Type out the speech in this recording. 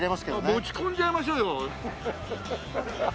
持ち込んじゃいましょうよ！